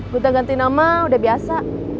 buta ganti nama udah biasa